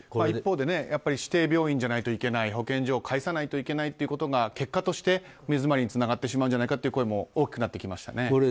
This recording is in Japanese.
一方で指定病院じゃないといけない保健所を介さないといけないということが結果として、根詰まりにつながってしまうんじゃないかという声も大きくなってきました。